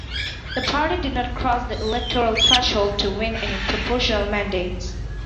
The party did not cross the electoral threshold to win any proportional mandates.